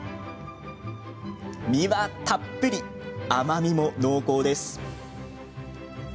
身はたっぷり、甘みも濃厚です。